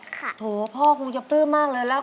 ค่ะโถพ่อคงจะเพิ่มมากเลยแล้ว